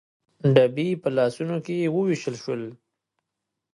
ډبي په لاسونو کې ووېشل شول.